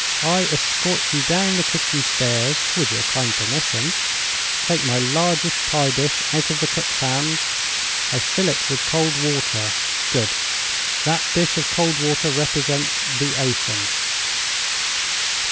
I escort you down the kitchen stairs (with your kind permission); take my largest pie dish out of the cook's hands; I fill it with cold water. Good! that dish of cold water represents the ocean.